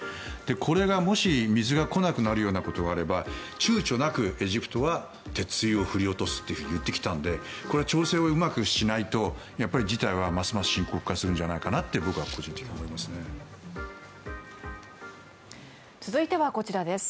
これがもし水が来なくなることがあれば躊躇なくエジプトは鉄槌を振り落とすと言ってきたのでこれは調整をうまくしないとやっぱり事態は、ますます深刻化するんじゃないかと僕は個人的に思いますね。